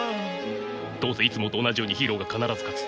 どうせいつもと同じようにヒーローが必ず勝つ。